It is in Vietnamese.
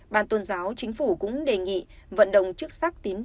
ban tôn giáo chính phủ cũng đề nghị vận động chức sắc tín